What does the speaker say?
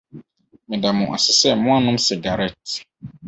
Meda mo ase sɛ moannom sigaret.